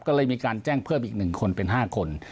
ก็เลยมีการแจ้งเพิ่มอีก๑คนเป็น๕คน